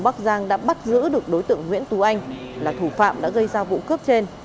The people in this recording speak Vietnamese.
bắc giang đã bắt giữ được đối tượng nguyễn tú anh là thủ phạm đã gây ra vụ cướp trên